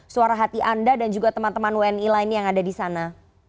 suara hati anda dan juga teman teman wni lain yang ada di sana